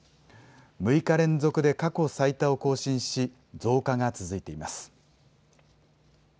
６日連続で過去最多を更新し増加が続いています。